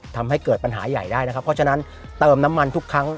ทำให้เกิดปัญหาใหญ่ได้นะครับเพราะฉะนั้นเติมน้ำมันทุกครั้ง